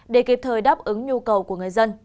để kịp thời đáp ứng nhu cầu của người dân